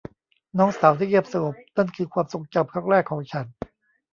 น้องสาวที่เงียบสงบนั่นคือความทรงจำครั้งแรกของฉัน